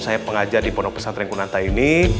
saya pengajar di pondok pesantren kunanta ini